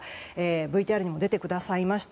ＶＴＲにも出てくださいました